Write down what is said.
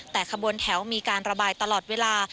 แต่ขบวนแถวมีการระบายตลอดเวลา